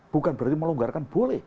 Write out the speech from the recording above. bukan berarti melonggarkan boleh